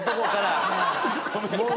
ごめん！